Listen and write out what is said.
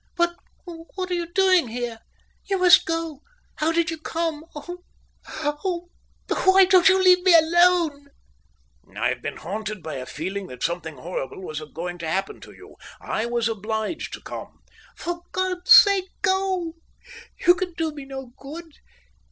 "But what are you doing here? You must go. How did you come? Oh, why won't you leave me alone?" "I've been haunted by a feeling that something horrible was going to happen to you. I was obliged to come." "For God's sake, go. You can do me no good.